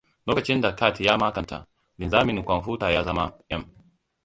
Lokacin da cat ya makanta, linzamin kwamfuta ya zama m.